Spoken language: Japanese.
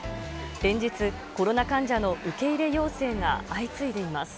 連日、コロナ患者の受け入れ要請が相次いでいます。